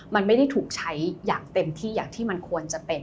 มันไม่ได้ถูกใช้อย่างเต็มที่อย่างที่มันควรจะเป็น